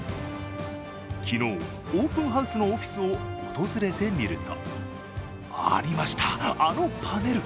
昨日、オープンハウスのオフィスを訪れてみるとありました、あのパネル。